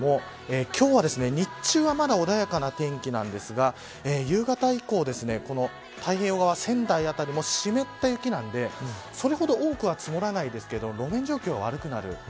今日は日中はまだ穏やかな天気なんですが夕方以降ですね太平洋側仙台辺りも湿った雪なんでそれほど多くは積もらないですけ路面状況は悪くなる。